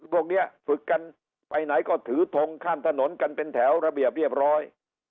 พวกนี้ฝึกกันไปไหนก็ถือทงข้ามถนนกันเป็นแถวระเบียบเรียบร้อย